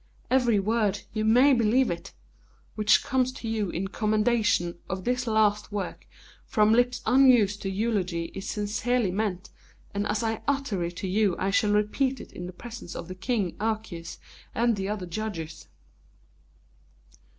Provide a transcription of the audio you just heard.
Every word you may believe it! which comes to you in commendation of this last work from lips unused to eulogy is sincerely meant, and as I utter it to you I shall repeat it in the presence of the King, Archias, and the other judges."